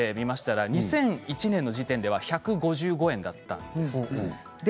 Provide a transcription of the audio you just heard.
調べてみましたら２００１年の時点では１５５円だったんです。